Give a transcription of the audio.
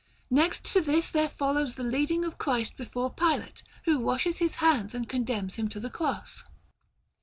Next to this there follows the leading of Christ before Pilate, who washes his hands and condemns Him to the Cross.